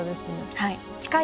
はい。